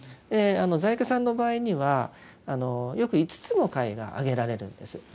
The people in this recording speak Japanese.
在家さんの場合にはよく５つの戒が挙げられるんです。